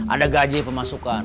ada gaji pemasukan